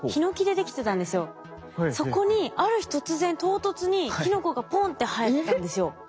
そこにある日突然唐突にキノコがポンって生えたんですよ。